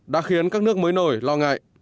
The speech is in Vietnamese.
đã khiến các nước mới nổi lo ngại